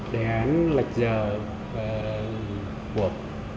đề án lệch giờ của các khu